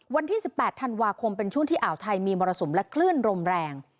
วันที่๑๘ธันวาคมเป็นช่วงที่อ่าวไทยมีมรสุมและคลื่นลมแรง